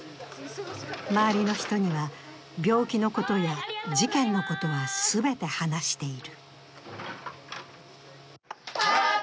周りの人には病気のことや事件のことは全て話している。